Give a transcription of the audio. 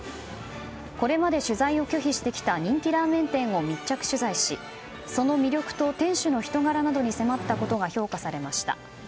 これまで取材を拒否してきた人気ラーメン店を密着取材しその魅力と店主の人柄などに迫ったことが評価されました。